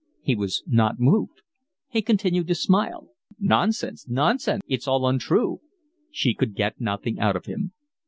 He was not moved. He continued to smile. "Nonsense! Nonsense! It's all untrue." She could get nothing out of him.